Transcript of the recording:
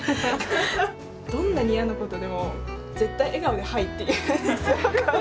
どんなに嫌なことでも絶対笑顔で「はい」って言うんです。